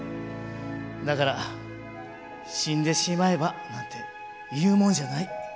だから「死んでしまえば」なんて言うもんじゃない。